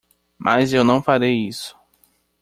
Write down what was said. Mas eu não farei isso.